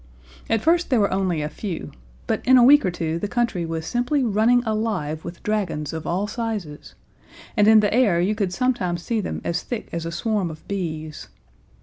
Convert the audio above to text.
At first there were only a few, but in a week or two the country was simply running alive with dragons of all sizes, and in the air you could sometimes see them as thick as a swarm of bees.